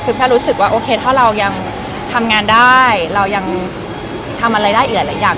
คือแค่รู้สึกว่าโอเคถ้าเรายังทำงานได้เรายังทำอะไรได้อีกหลายอย่าง